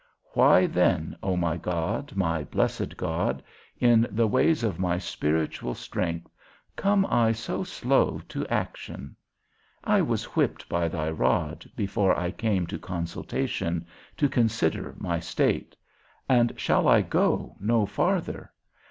Why then, O my God, my blessed God, in the ways of my spiritual strength, come I so slow to action? I was whipped by thy rod, before I came to consultation, to consider my state; and shall I go no farther?